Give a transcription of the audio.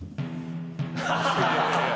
いやいや。